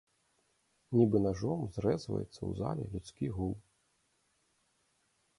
Нібы нажом зрэзваецца ў зале людскі гул.